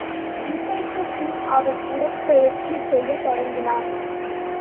இசைக்குப் பின் அவன் உடற்பயிற்சி செய்யத் தொடங்கினான்.